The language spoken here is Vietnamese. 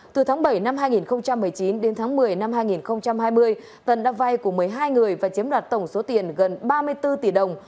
từ tháng bảy năm hai nghìn một mươi chín đến tháng một mươi năm hai nghìn hai mươi tân đã vay của một mươi hai người và chiếm đoạt tổng số tiền gần ba mươi bốn tỷ đồng